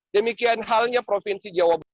demikian halnya provinsi jawa barat